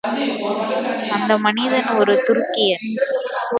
அந்த மனிதன் ஒரு துருக்கியன்.